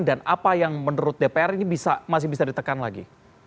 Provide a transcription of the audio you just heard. dan apa yang menurut dpr ini masih bisa ditekan lagi